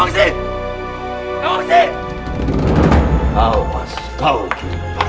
desa horengin vitu pak